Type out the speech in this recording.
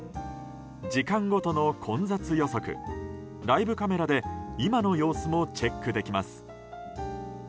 時間ごとの混雑予測ライブカメラで今の様子もチェックできます。